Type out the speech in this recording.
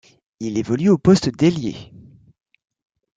Il évolue au poste d'Ailier.